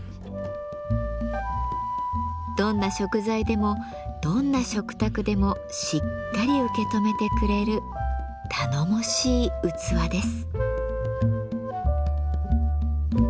どんな食材でもどんな食卓でもしっかり受け止めてくれる頼もしい器です。